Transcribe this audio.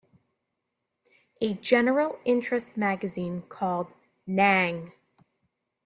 A general interest magazine called Nang!